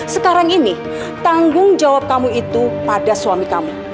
sekarang ini tanggung jawab kamu itu pada suami kamu